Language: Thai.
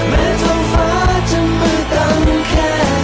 แม้ท่องฟ้าจะเมื่อตั้งแค่ไหน